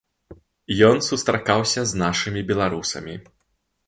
Ён сустракаўся з нашымі беларусамі.